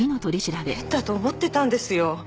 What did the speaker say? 変だと思ってたんですよ。